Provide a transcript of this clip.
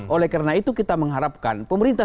oleh karena itu kita mengharapkan pemerintah